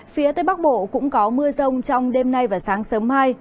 phía tây bắc bộ cũng có mưa rông trong đêm nay và sáng sớm mai